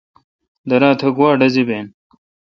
درا تہ گوا ڈزی بین؟